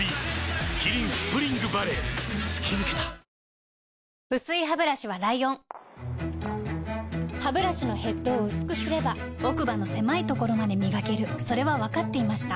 ＪＴ薄いハブラシはライオンハブラシのヘッドを薄くすれば奥歯の狭いところまで磨けるそれは分かっていました